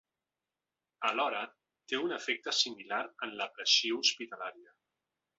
Alhora, té un efecte similar en la pressió hospitalària.